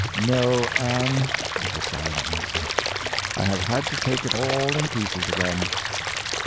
"No, Anne," was the sad answer, "I have had to take it all in pieces again."